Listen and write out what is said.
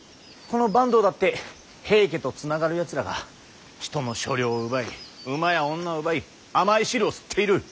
この坂東だって平家と繋がるやつらが人の所領を奪い馬や女を奪い甘い汁を吸っている。